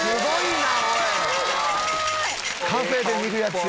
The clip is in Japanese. カフェで見るやつや。